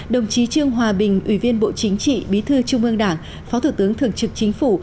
đồng chí trương hòa bình ủy viên bộ chính trị bí thư trung ương đảng phó thủ tướng thường trực chính phủ